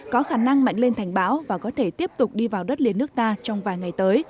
có khả năng mạnh lên thành bão và có thể tiếp tục đi vào đất liền nước ta trong vài ngày tới